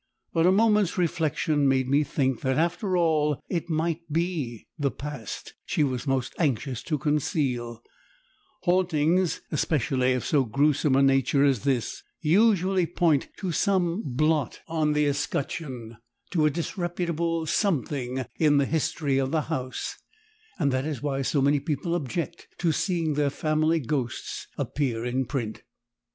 But a moment's reflection made me think that after all it might be "the past" she was most anxious to conceal; hauntings, especially of so gruesome a nature as this, usually point to some blot on the escutcheon, to a disreputable something in the history of the house and that is why so many people object to seeing their family ghosts appear in print.